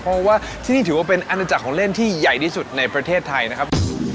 เพราะว่าที่นี่ถือว่าเป็นอาณาจักรของเล่นที่ใหญ่ที่สุดในประเทศไทยนะครับ